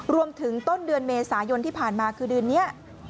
ต้นเดือนเมษายนที่ผ่านมาคือเดือนนี้